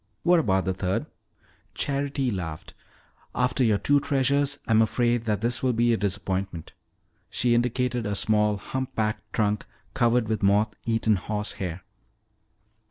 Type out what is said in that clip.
"What about the third?" Charity laughed. "After your two treasures I'm afraid that this will be a disappointment." She indicated a small humpbacked trunk covered with moth eaten horsehair.